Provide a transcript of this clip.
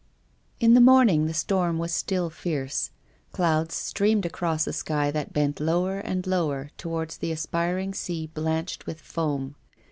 In the morning the storm was still fierce. Clouds streamed across a sky that bent lower and lower towards the aspiring sea blanched with foam.